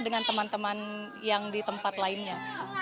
dengan teman teman yang di tempat lainnya